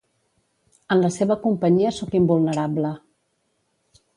En la seva companyia sóc invulnerable.